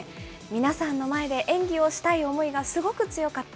皆さんの前で演技をしたい思いがすごく強かった。